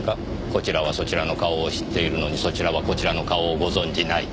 こちらはそちらの顔を知っているのにそちらはこちらの顔をご存じない。